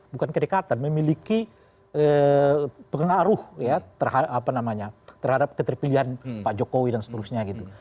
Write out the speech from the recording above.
bukan kedekatan memiliki pengaruh ya terhadap keterpilihan pak jokowi dan seterusnya gitu